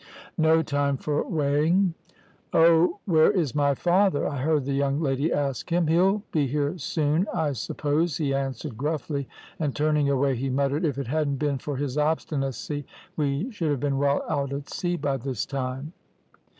"No time for weighing! "`Oh, where is my father?' I heard the young lady ask him. `He'll be here soon, I suppose,' he answered gruffly, and turning away, he muttered, `If it hadn't been for his obstinacy we should have been well out at sea by this time.'